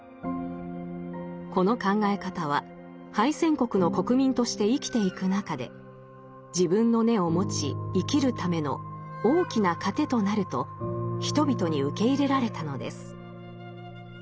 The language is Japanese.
この考え方は敗戦国の国民として生きていく中で自分の根を持ち生きるための大きな糧となると人々に受け入れられたのです。